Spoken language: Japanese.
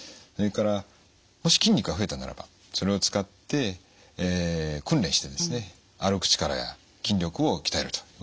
それからもし筋肉が増えたならばそれを使って訓練してですね歩く力や筋力を鍛えるということが重要です。